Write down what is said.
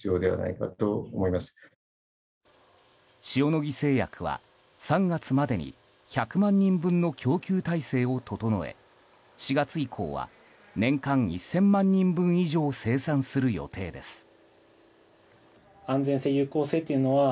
塩野義製薬は３月までに１００万人分の供給体制を整え４月以降は年間１０００万人分以上生産する予定です。